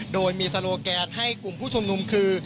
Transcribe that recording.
โดยมีโซโลแกนให้กลุ่มผู้ชุมนุมคือ